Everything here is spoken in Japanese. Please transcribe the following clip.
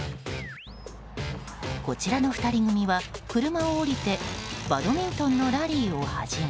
こちらの２人組は車を降りてバドミントンのラリーを始め。